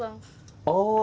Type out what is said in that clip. yang tegak bagus